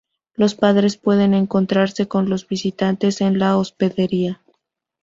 Los padres pueden encontrarse con los visitantes en la hospedería.